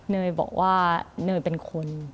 เนยบอกว่าเนยเป็นคน